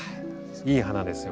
いい花ですよ